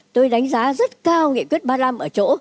tôi đánh giá rất cao nghị quyết ba mươi năm ở chỗ